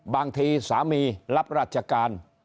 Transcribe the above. บางทีสามีรับราชการ